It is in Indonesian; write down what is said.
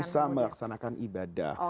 bisa melaksanakan ibadah